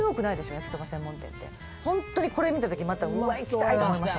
焼きそば専門店ってホントにこれ見た時またうわ行きたいと思いました